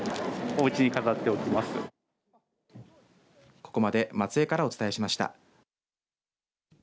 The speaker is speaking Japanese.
ここまで松江からお伝えしました。